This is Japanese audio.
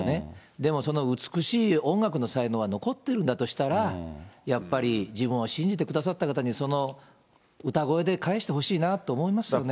でも、その美しい音楽の才能は残ってるんだとしたら、やっぱり自分を信じてくださった方に、その歌声で返してほしいなと思いますよね。